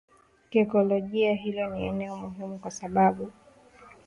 Kiekolojia hilo ni eneo muhimu kwa sababu